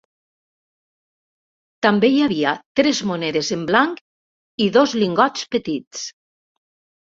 També hi havia tres monedes en blanc i dos lingots petits.